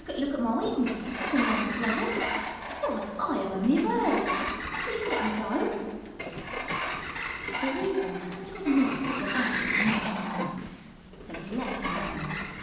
"Look at my wings. Can Mice fly? Why, I am only a Bird! Please let me go!" The Weasel had to admit that the Bat was not a Mouse, so he let him go.